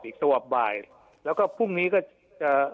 ตัวบ่ายแล้วก็พรุ่งนี้ก็จะ